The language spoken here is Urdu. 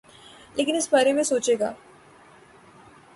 لیکن اس بارے میں سوچے گا۔